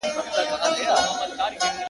ډېري خبري د کتاب ښې دي.